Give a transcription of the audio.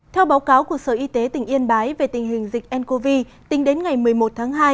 theo báo cáo của sở y tế tỉnh yên bái về tình hình dịch ncov tính đến ngày một mươi một tháng hai